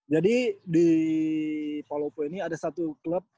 jadi di polopo ini ada satu club